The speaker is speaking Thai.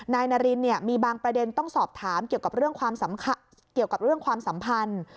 นายนารินมีบางประเด็นต้องสอบถามเกี่ยวกับเรื่องความสัมพันธ์